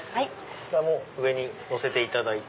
こちらも上にのせていただいて。